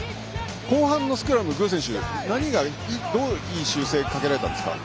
後半のスクラム、具選手どう修正をかけられたんですか？